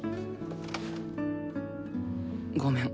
ごめん。